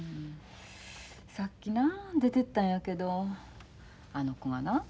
さっきな出てったんやけどあの子がな